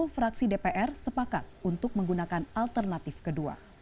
sepuluh fraksi dpr sepakat untuk menggunakan alternatif kedua